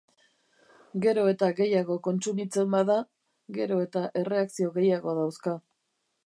Gero eta gehiago kontsumitzen bada, gero eta erreakzio gehiago dauzka.